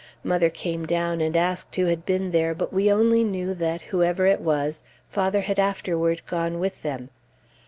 Mother came down and asked who had been there, but we only knew that, whoever it was, father had afterward gone with them.